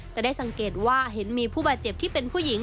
แต่ได้สังเกตว่าเห็นมีผู้บาดเจ็บที่เป็นผู้หญิง